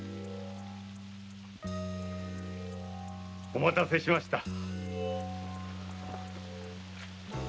・お待たせ致しました。